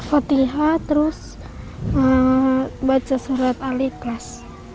fatiha terus baca surat aliklas